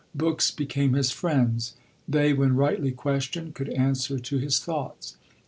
Books became his friends: they, when rightly questioned, could answer to his thoughts.